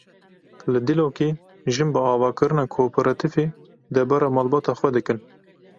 Li Dîlokê jin bi avakirina kooperatîfê debara malbata xwe dikin.